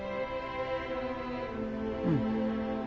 うん。